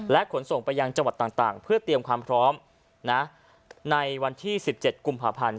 ขนส่งไปยังจังหวัดต่างเพื่อเตรียมความพร้อมในวันที่๑๗กุมภาพันธ์